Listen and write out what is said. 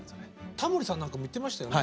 タモリさんなんかも言ってましたよね。